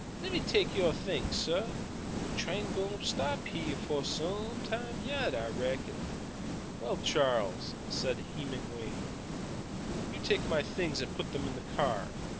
Lemme take yo' things, sah! Train gwine to stop hy'eh fo' some time yet, I reckon." "Well, Charles," said Hemenway, "you take my things and put them in the car.